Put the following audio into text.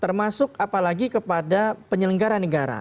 termasuk apalagi kepada penyelenggara negara